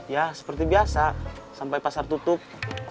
ya seperti biasa sampai pasar tutup